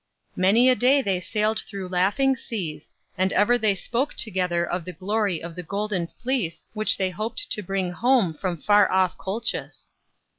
Many a day they sailed through laughing seas and ever they spoke together of the glory of the Golden Fleece which they hoped to bring home from far off Colchis.